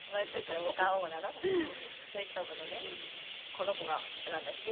「この子がなんだっけ？」